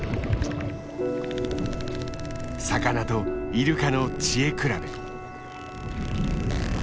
魚とイルカの知恵比べ。